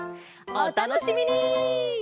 おたのしみに！